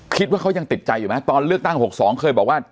คิดว่าเขายังติดใจอยู่ไหมตอนเลือกตั้ง๖๒เคยบอกว่า